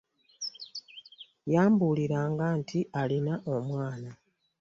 Yambuuliranga nti alina omwana.